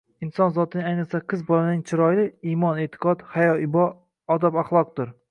Inson zotining, ayniqsa, qiz bolaning chiroyi imon-e’tiqod, hayo-ibo, odob-axloqdir.